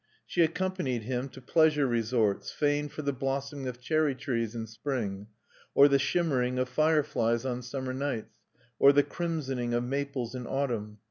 She accompanied him to pleasure resorts famed for the blossoming of cherry trees in spring, or the shimmering of fireflies on summer nights, or the crimsoning of maples in autumn.